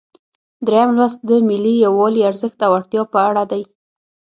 دریم لوست د ملي یووالي ارزښت او اړتیا په اړه دی.